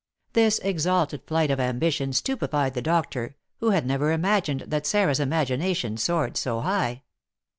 This exalted flight of ambition stupefied the doctor, who had never imagined that Sarah's imagination soared so high.